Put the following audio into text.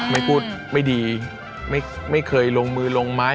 ไม่พูดไม่ดีไม่เคยลงมือลงไม้